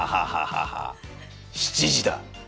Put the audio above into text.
７時だ！